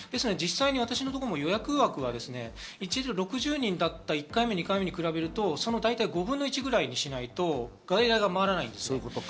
実際、私のところも予約枠は一日６０人だったところが、だいたい５分の１ぐらいにしないと外来が回らないです。